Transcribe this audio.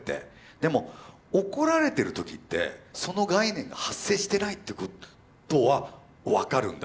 でも怒られてる時ってその概念が発生してないってことは分かるんだ。